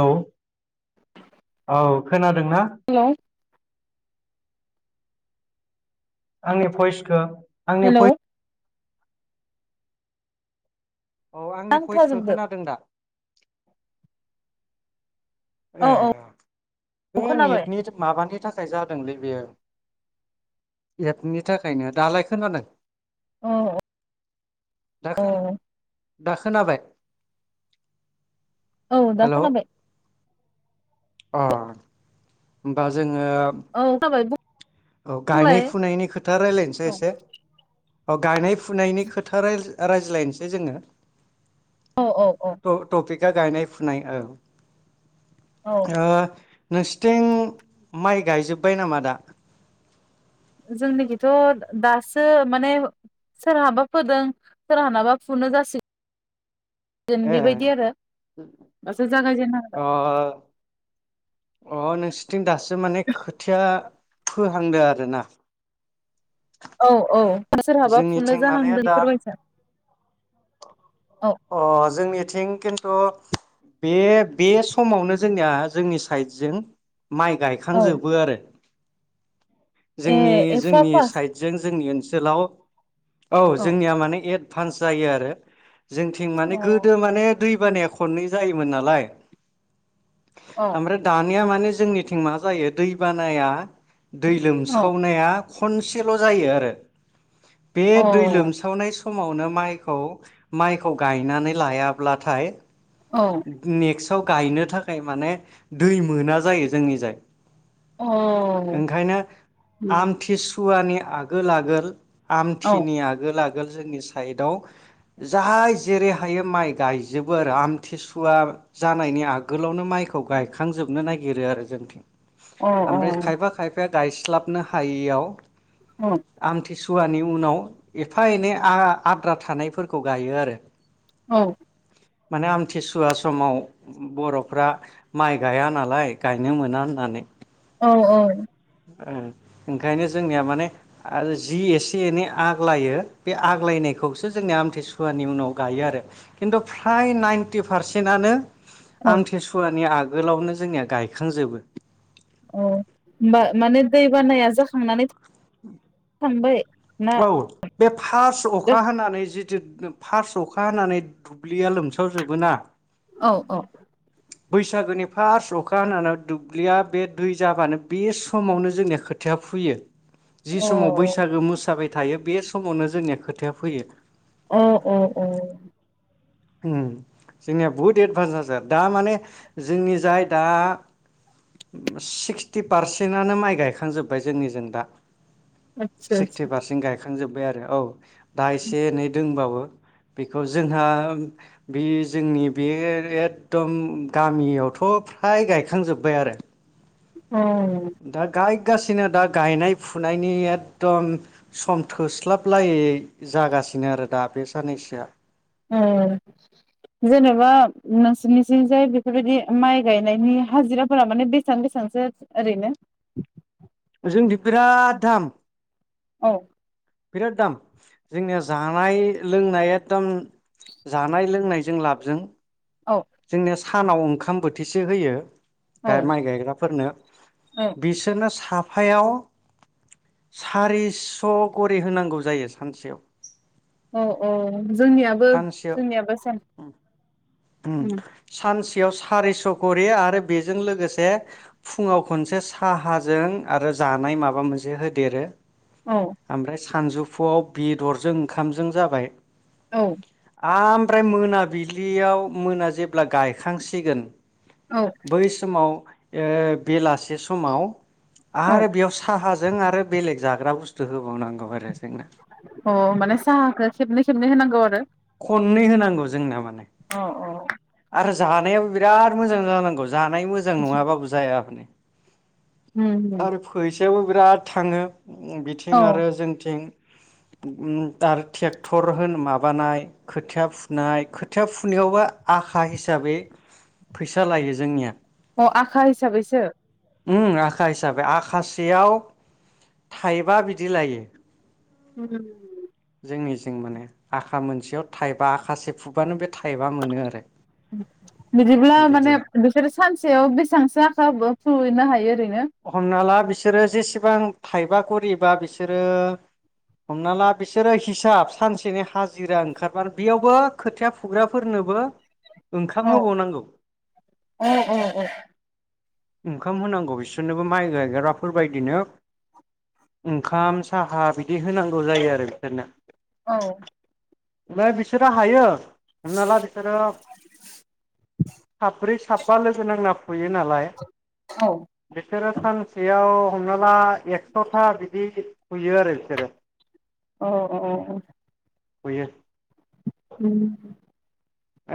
औे। औ खोनाद दों ना? हेलौ आंनि भइसखो आंनि हेलौ भय औ आंनि भइसखो नांथाजोबदो खोनादों दा? औ ए औ बे औ खोनाबाय नेटनि माबानि थाख जादोंलै बेयो एपनि थाखायनो। दालाय खोनादों? औ दा खोना औ दा खोनाबाय औ दा हेलौ खोनाबाय अ होमबा जों औ खोनाबाय बुं औ गायनाय फुनायनि खोथा रायज्लायनोसै औ एसे औ गायनाय फु फुनायनि खोथा रायज्ला रायज्लायनोसै जोंङो औ थपिका गायनाय फुनाय औ औ ओ नोंसिथिं माइ गायजोब्बाय नामा दा जोंनिखिथ' दासो माने सोरहाबा फोदों सोरहानाबा फुनो जासिग गोन ए बेबायदि आरो दासो जागायजेनहांदों अ अ नों सिटिं दास माने खोथिया फोहांदो आरो ना औ औ सोरहाबा फुनो जोंनिथिं माने जाहांदों दा फोरमायनो अ जोंनिथिं खिन्थु बे बे समावनो जोंनिया जोंनि साइद जों माइ औ गायखांजोबो आरो ए जोंनि एफा जोंनि फास साइडजों जोंनि ओनस ओनसोलाव औ अ जोंनिया माने एद फान्स जायो आरो जोंथिं माने गोदो माने दै बानाया खननै जायोमोन नालाय अ आमफ्राय दा निया माने जोंनिथिं मा जायो दै बानाया दै अ लोमसावनाया खनसेल' जायो आरो बे अ दै लोमसावनाय समावनो माइखौ माइखौ गायनानै लायाब्लाथाय अ नेक्स्ट आव गायनो थाखाय माने दै मोना जायो जोंनि जाय। ओंखायनो आमथिसुवानि आगोल आगोल आमथिनि आगोल आगोल जोंनि साइदाव जाय जेरै हायो माइ गायजोबो आरो आम थिसुवा जानायनि आगोलावनो माइखौ गायखांजोबनो नागिरो आरो जोंथिं। अ आमफ्राय खायफा खायफाया गायस्लाबनो हायियाव अ आमथिसु वानि उनाव एफा एनै आ आद्रा थानायफोरखौ गायो आरो। औ माने आम थिसुवा समाव बर'फ्रा माइ गाया नालाय गायनो मोना होननानै। औ औ ओं ओंखायनो जोंनिया माने आरो जि एसे एनै आग्लायो बे आग्लायनायखौसो जोंनि आमथसुवानि उनाव गायो आरो खिन्थु फ्राय नाइनटि पारसेन्टआनो औ आमथिसुवानि आग गोलावनो जोंनिया गायखांजोबो। औ होमबा मा-माने दै बानाया जाखांनानै थांबाय ना औ बे फार्स्ट अखा होननानै जिथु फार्स्ट अखा हानानै दुब्लिया लोमसावजोबोना औ औ बैसागुनि फार्स्ट अखा हानानै दुब्लिया बे दै जाबानो बे समावनो जोंनिया खोथिया फुयो। जि समाव बैसागो मोसा साबाय थायो बे समावनो जोंनिया खोथिया फैयो। अ अ अ ओम जोंनिया बहुत एदभान्स आरो दा माने जोंनि जाय दा सिक्सटि पारसेन्टआनो माइ गायखांजोब्बाय जोंनिजों दा। आतसा सिक्सटि आतसा पारसेन्ट गाय खांजोबबाय आरो औ। दा एसे एनै दोंबावो। बेखौ जोंहा बे जोंनि बे एकदम गामियावथ' फ्राय गायखांजोब्बाय आरो। अ दा गाय फगासिनो दा गायनाय फुनायनि एकदम सम थोस्लाबलायै जागासिनो आरो दा बे साननैसोआ ओ जेनेबा नोंसोरनिथिं जाय बेफोरबायदि माइ गायनायनि हाजिराफोरा माने बेसेबां बेसेबांसो ओरैनो जोंदि बिराद दाम औ बिराद दाम जोंनिया जानाय लोंनाया एकदम जानाय लोंनायजों लाबजों औ जोंनोया सानाव ओंखाम बोथिसे होयो। औ माइ गायग्राफोरनो बिसोरनो साफ आफायाव सारिस' गरि होनांगौ जायो सानसेयाव औ औ जोंनियाबो सानसेयाव जोंनियाबो स सियाव सारिस' करि आरो बेजों लोगोसे फुङाव खनसे साहाजों आरो जानाय माबा मोनसे होदेरो। औ ओमफ्राय सानजौफुआव बिदरजों ओंखामजों जाबाय। औ आमफ्राय मोनाबिलियाव मोना जेब्ला गायखांसिगोन औ बै समाव ओ बेलासे समाव औ आरो बेयाव साहा जों आरो बेलेग जाग्रा बुस्थु होबावनांगौ आरो जोंना अ माने साहाखौ खेबनै खेबनै होनांगौ [unintelligible] खनै होनांगौ जोंना माने अ अ आरो जानायाबो बिराद मोजां जानांगौ। जानाय मोजां नङाबाबो जाया। होम होम थियावबो बिराद थाङो। बिथिं औ आरो जोंथिं उम आरो ट्रेक्टर होनो माबानाय खोथिया फुनाय खोथिया फुनायावबा आखा हिसाबै फैसा लायो जोंनिया अ आखा हिसाबैसो उम आखा हिसाबै आखासेयाव थाइबा बिदि लायो। [inaudible] जोंनि जों माने आखा मोनसेयाव थाइबा आखासे फुबानो बे थाइबा मोनो आरो बिदिब्ला बिदि माने बिसोरो सानसेयाव बेसेबांसो आखा फुहैनो हायो [unintelligible] हमना ला बिसोरो जेसेबां थाइबा करिबा बिसोरो हमना ला बिसोरो हिसाब सानसेनि हाजिरा ओंखारबानो बेयावबो खोथिया फुग्राफोरनोबो ओंखाम औ होबावनांगौ औ औ औ ओंखाम होनांगौ बेसो सोरनोबो माइ गायग्राफोरबायदिनो ओंखाम साहा बिदि होनांगौ जायो आरो बिसोरनो औ ओमफाय बिसोरो हायो हमना ला बिसोरो साब्रै थाबा लोगो नांना फुयो नालाय औ बिसोरो सानसेयाव हमनो ला एक्स'था बिदि सुयो आरो बिसोरो अ अ गयो उम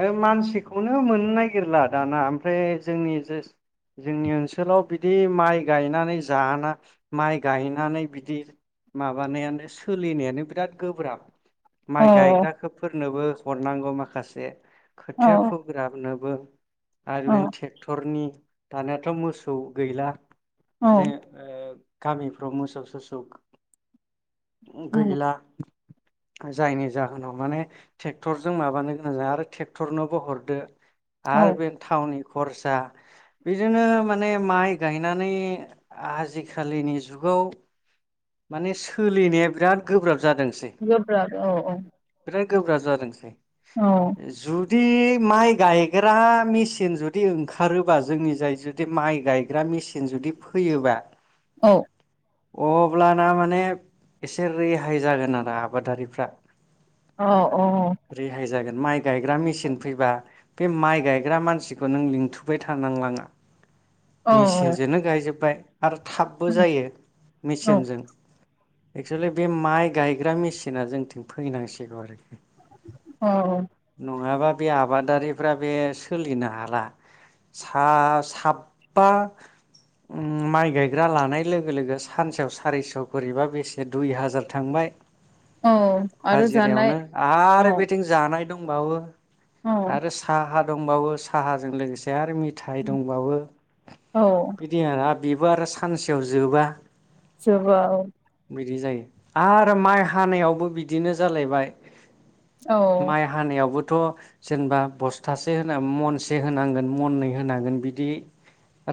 ओ मानसिखौनो मोननो नागिरला दाना ओमफ्राय जोंनि जोंनि ओनसोलाव बिदि माइ गायनानै जाना माइ गायनानै बिदि माबानायानो सोलिनायानो बिराद गोब्राब औ अ माइ गायग्राखोफोर नोबो हरनांगौ माखासे खोथिया फोग्राबनो बो आरो नों टेक्टरनि दानियााथ' मोसौ गैला औ ओ गामि मोसौ थोसौ गैला जायनि जाहोनाव माने टेक्टरजों माबानो गोनां जा आरो टेक्टरनोबो हरदो आरो औ बे थावनि खरसा बिदिनो माने माइ गायनानै आजिखालिनि जुगाव माने सोलिनाया बिराद गोब्राब जादोंसै गोब्राब औ औ बिराद गोब्राब जादोंसै औ जुद दि माइ गायग्रा मेचिन जुदि ओंखारोबा जोंनि जाय जुदि माइ गायग्रा मेचिन जुदि फैयोबा औ अ अब्लाना माने एसे रेहाय जागोन आरो आबादारिफ्रा अ औ रेहाय जागोन माइ गायग्रा मेसिन फैबा बे माइ गायग्रा मानसिखौ नों लिंथुबाय थानांलांना औ मेचिनजोंनो गायजोबबाय आरो थाबबो जायो औ मेसेन केनजों एक्सवलि बे माइ गायग्रा मेसिना जोंथिं फैनांसिगौ आरोखि। नङाबा बे आबादारिफोरा बे सोलिनो हाला सा साबबा माइ गायग्रा लानाय लोगो लोगो सानसेयाव सारिस' खरिबा बेसे दुइ हाजार थांबाय औ आरो जानाय हाजिरायावनो औ आरो बिथिं जानाय दंबावो। औ आरो सा हा दंबावो साहाजों लोगोसे आरो मि थाइ दंबावो औ बिदि बेबो आरो सानसेयाव जोबा। जोबा बिदि जायो आरो माइ हानायावबो बिदिनो जालायबाय औ माइ हानायाव बो थ' जेनबा बस्थासे होन मनसे होनांगोन मनै होनांगोन बिदि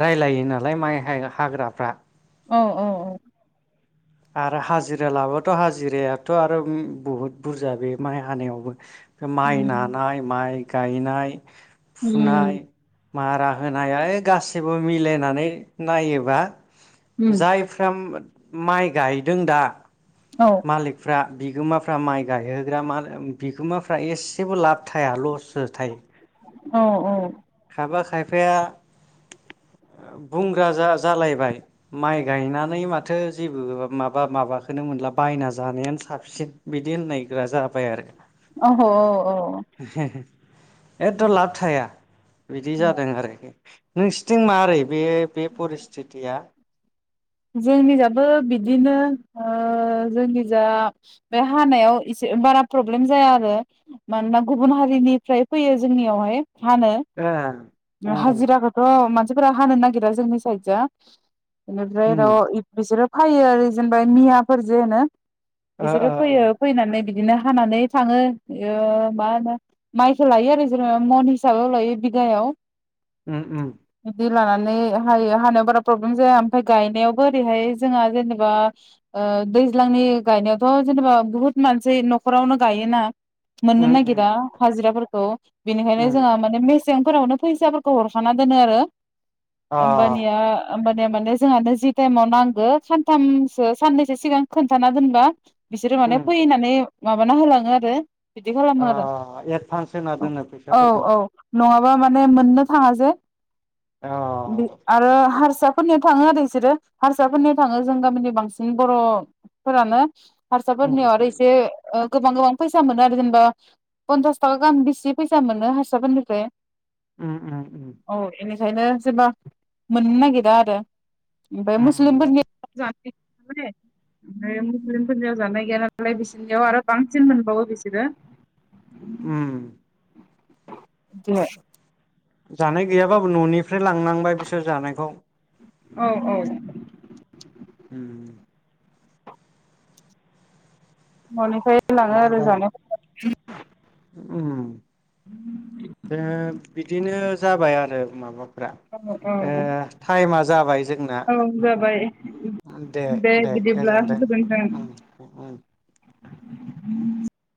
रायलायो नालाय माइ हा हाग्राफ्रा। औ औ औ। आरो हाजिरा लाबाथ' हाजिरायाथ' आरो उम बहुत बुरजा बे माइ हानायावबो। माइ नानाय माइ गायनाय फुनाय मारा होनाय है गासिबो मिलायनानै नायोबा जाय फ्राम माइ गायदों दा। औ मालिकफ्रा। बिगोमाफ्रा माइ गायहोग्रा मा बिगोमाफ्रा एसेबो लाब थाया लस'सो थायो औ खायफा खायफा फाया [unintelligible] बुंग्रा जा जालायबाय माइ गायनानै माथो थो जेबो माबा माबा खोनो मोनला बायना जानायानो साबसिन बिदि होननायग्रा जाबाय आरो। अह अ अ। एखद' लाब थाया बिदि जादों आरो । नोंसिथिं मारै। बे बे परिस्टितिया जोंनिजाबो बिदिनो ओ जोंनि जा बे हानायाव एसे बारा प्रब्लेम जाया आरो मानोना गुबुन हारिनिफ्राय फैयो जोंनियावहाय। हानो ए उम हाजिराखौथ' मानसि फोरा हानो नागिरा जोंनि साइदजा। [inaudible] उम फायो आरो जेनेबा मियाफोर जे होनो। ओ बिसोरो ओ ओ फैयो फैनानै बिदिनो हानानै थाङो ओ मा होनो माइखौ लायो आरो जेनेबा मन हिसाबाव लायो बिगायाव। उम उम। बिदि लानानै हायो हानायाव बारा प्रब्लेम जाया। ओमफ्राय गायनायावबो ओरैहाय जोंहा जेनेबा ओ दैज्लांनि गायनायावथ' जेनेबा बुहुत मानसि न'खरावनो गायोना। मोननो उम उम नागिरा हाजिराफोरखौ बेनिखायनो उम जोंहा माने मे सिगांफोरावनो फैसाफोरखौ हरखाना दोनो आरो। अ होमबानिया [inaudible] जोंहानो जि टाइमाव नांगौ सानथामसो साननैसो सिगां खोन्थाना दोनबा। बिसोरो माने उम फैनानै। माबाना होलाङो आरो। बिदि खालामो आरो ओ‌एडभान्स होना दोनो फैसाफोरखौ। उम माने मोननो थाङा जे। अ बे आरो हारसा फोरनियाव थाङो आरो बिसोरो हारसाफोरनियाव थाङो जों गामिनि बांसिन बर'फोरानो। उम हारसाफोरनियाव आरो इसे गोबां गोबां फैसा मोनो आरो जेनेबा पन्सास थाखा गाहाम बेसे फैसा मोनो हारसाफोरनिफ्राय। उम उम उम। ओंखायनो जेनबा मोननो नागिरा आरो। ओमफ्राय उम मुस्लिमफोरनि ओमफ्राय मुस्लिमफोरनियाव जानाय गैया नालाय बिसोरनियाव आरो बांसिन मोनबावो बिसोरो। उम । [inaudible] जानाय गैयाबाबो न'नि ओफ्राय लांनांबाय बिसोर जानायखौ। औ औ। उम। माने। फाय लाङो माइ आरो गां जानाय उम। जोंङो बिदिनो जाबाय आरो माबाफ्रा औ टाइमा जाबाय जोंना औ जाबाय दे दे गोजोनथों उम उम [unintelligible]